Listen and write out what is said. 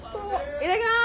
いただきます！